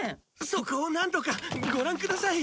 そこをなんとかご覧ください。